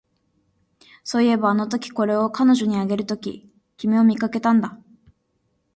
そういえば、あのとき、これを彼女にあげるとき、君を見かけたんだ